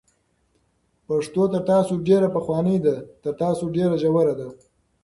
پښتو تر تاسو ډېره پخوانۍ ده، تر تاسو ډېره ژوره ده،